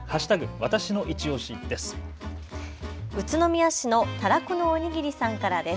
わたしのいちオシです。